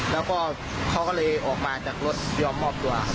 แล้วก็เขาก็เลยออกมาจากรถยอมมอบตัว